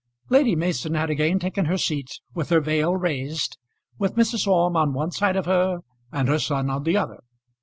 Lady Mason had again taken her seat with her veil raised, with Mrs. Orme on one side of her and her son on the other.